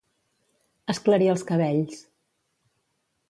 Esclarir els cabells.